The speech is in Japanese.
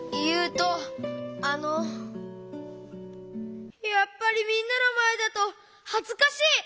こころのこえやっぱりみんなのまえだとはずかしい！